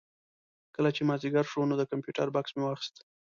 کله چې مازدیګر شو نو د کمپیوټر بکس مې واخېست.